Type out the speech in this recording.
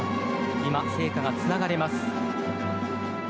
今、聖火がつながれます。